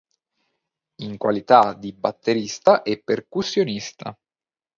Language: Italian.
In qualità di batterista e percussionista